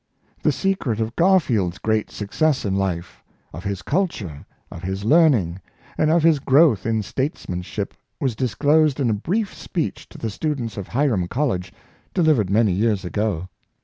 The secret of Garfield's great success in life, of his culture, of his learning, and of his growth in statesman ship was disclosed in a brief speech to the students of Hiram College, delivered many years ago.